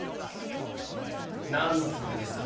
何のつもりですか？